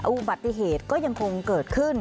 อุบัติเหตุก็ยังคงเกิดขึ้น